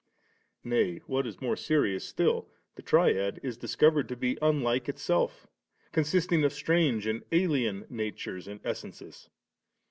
Nay, what is more serious still, the Triad is discovered to be unlDce Itself consisting of strange and alien natures and essences.